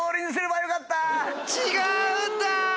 違うんだ！